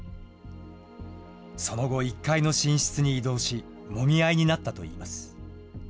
その後、１階の寝室に移動し、もみ合いになったといいます。